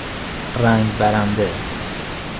رنگ برنده